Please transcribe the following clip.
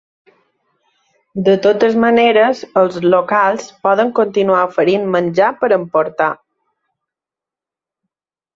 De totes maneres, els locals poden continuar oferint menjar per emportar.